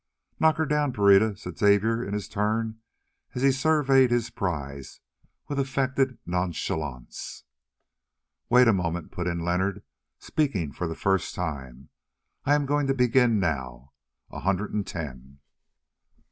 "Knock her down, Pereira," said Xavier in his turn, as he surveyed his prize with affected nonchalance. "Wait a moment," put in Leonard, speaking for the first time. "I am going to begin now. A hundred and ten."